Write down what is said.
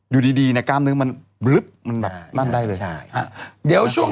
อยู่ดีกล้ามเนื้อมันมันแบบนั่นได้เลย